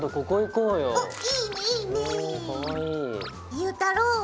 ゆうたろう！